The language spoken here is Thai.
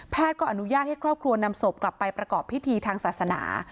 ก็อนุญาตให้ครอบครัวนำศพกลับไปประกอบพิธีทางศาสนา